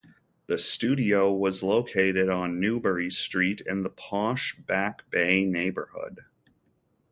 The studio was located on Newbury Street in the posh Back Bay neighborhood.